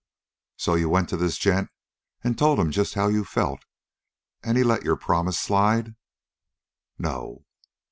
"So you went to this gent and told him just how you felt, and he let your promise slide?" "No."